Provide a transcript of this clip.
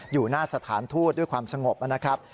อยู่หน้าสถานทูตด้วยความสงบนะครับ